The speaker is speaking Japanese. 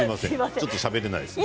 ちょっとしゃべれないです。